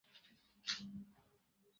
তবে চাকরি এখনো যায় নি।